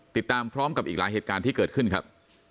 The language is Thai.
ติดตามพร้อมกับอีกหลายเหตุการณ์ที่เกิดขึ้นครับ